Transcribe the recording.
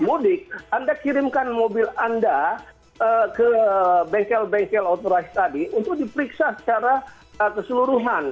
kemudian anda bisa mengirimkan mobil anda ke bengkel bengkel yang sudah diaturkan untuk diperiksa secara keseluruhan